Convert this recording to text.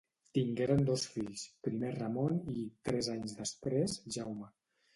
Tingueren dos fills: primer Ramon i, tres anys després, Jaume.